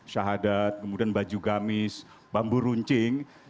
syahadat kemudian baju gamis bambu runcing